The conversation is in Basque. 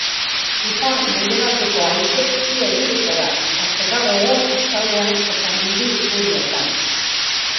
Ipar-mendebaldeko haize bizia ibiliko da, tarteka gogor kostaldean eta mendi inguruetan.